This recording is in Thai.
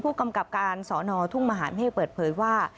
ผู้กำกับการสอนอทุ่งมหาเมฆเปิดเผยว่า